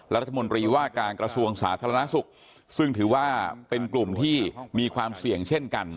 รัฐมนตรีว่าการกระทรวงสาธารณสุขซึ่งถือว่าเป็นกลุ่มที่มีความเสี่ยงเช่นกัน